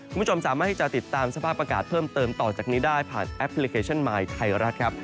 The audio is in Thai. คุณผู้ชมสามารถที่จะติดตามสภาพอากาศเพิ่มเติมต่อจากนี้ได้ผ่านแอปพลิเคชันมายไทยรัฐครับ